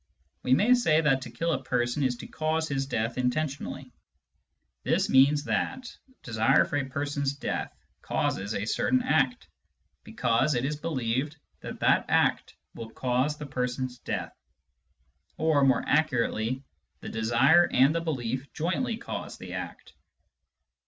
We may say that to kill a person is to cause his death intentionally. This means that desire Digitized by Google ON THE NOTION OF CAUSE 225 for a person's death causes a certain act, because it is believed that that act will cause the person's death ; or more accurately, the desire and the belief jointly cause the act.